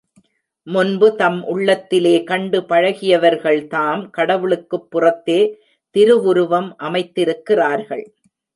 முன்பு தம் உள்ளத்திலே கண்டு பழகியவர்கள்தாம் கடவுளுக்குப் புறத்தே திருவுருவம் அமைத்திருக்கிறார்கள்.